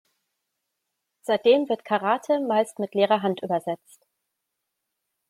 Seitdem wird Karate meist mit „leere Hand“ übersetzt.